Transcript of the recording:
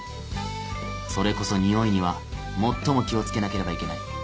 それこそニオイには最も気を付けなければいけない。